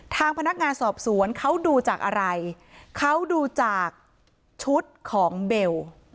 ทางพนักงานสอบสวนเขาดูจากอะไรเขาดูจากชุดของเบล